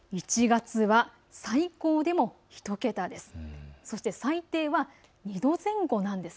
１月は最高でも１桁前後なんです。